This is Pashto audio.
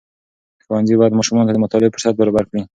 ښوونځي باید ماشومانو ته د مطالعې فرصت برابر کړي.